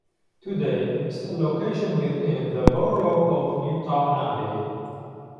Today, it is a location within the borough of Newtownabbey.